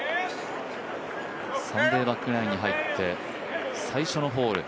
サンデーバックナインに入って最初のホール。